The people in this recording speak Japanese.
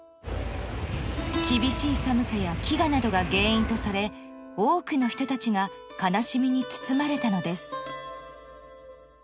［厳しい寒さや飢餓などが原因とされ多くの人たちが悲しみに包まれたのです］